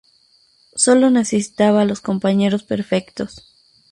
Solo necesitaba los compañeros perfectos.